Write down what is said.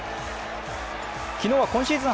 昨日は今シーズン